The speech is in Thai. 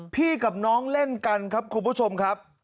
พี่กับน้องเล่นกันครับคุณผู้ชมครับ